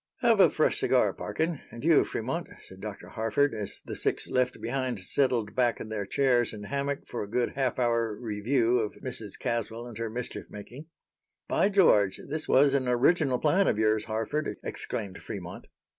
"Have a fresh cigar, Parkin. And you, Fremont," said Dr. Harford, as the six left behind settled back in their chairs and hammock for a good half hour review of Mrs. Caswell and her mischief making. "By George! this was an original plan of yours, Harford," exclaimed Fremont.